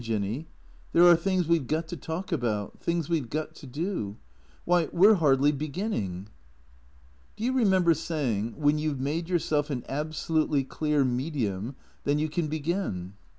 Jinny. There are things we 've got to talk about. Things we 've got to do. Why, we 're hardly beginning." " Do you remember saying, ' When you 've made yourself an absolutely clear medium, then you can begin